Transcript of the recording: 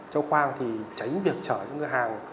trong khoang thì tránh việc trở những hàng